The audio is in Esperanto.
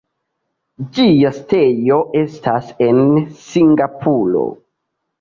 Ĝia sidejo estas en Singapuro.